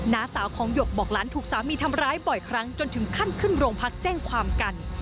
น้าสาวของหยกบอกหลานถูกสามีทำร้ายบ่อยครั้งจนถึงขั้นขึ้นโรงพักแจ้งความกัน